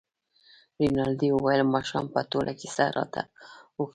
رینالډي وویل ماښام به ټوله کیسه راته وکړې.